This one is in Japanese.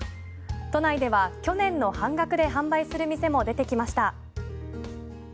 都内では去年の半額で販売する店も出てきました。